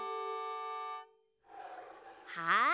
はい。